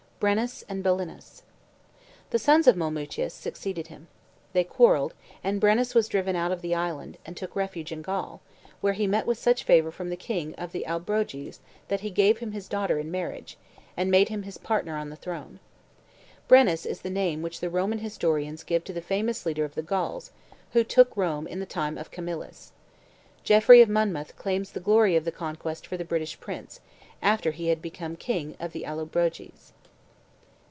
BRENNUS AND BELINUS, The sons of Molmutius, succeeded him. They quarrelled, and Brennus was driven out of the island, and took refuge in Gaul, where he met with such favor from the king of the Allobroges that he gave him his daughter in marriage, and made him his partner on the throne. Brennus is the name which the Roman historians give to the famous leader of the Gauls who took Rome in the time of Camillus. Geoffrey of Monmouth claims the glory of the conquest for the British prince, after he had become king of the Allobroges.